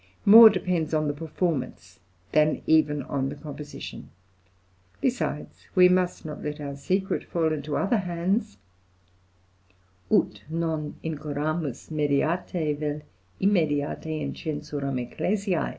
More depends on the performance than even on the composition. Besides, we must not let our secret fall into other hands, ut non incurramus mediate vel immediate in censuram ecclesiæ."